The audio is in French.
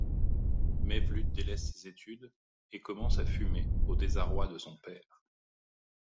Mevlut délaisse ses études et commence à fumer, au désarroi de son père.